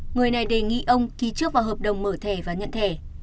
người này đề nghị ông ký trước vào hợp đồng mở thẻ và nhận thẻ